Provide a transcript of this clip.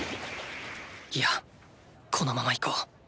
いやこのまま行こう。